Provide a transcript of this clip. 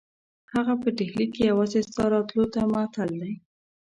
هغه په ډهلي کې یوازې ستا راتلو ته معطل دی.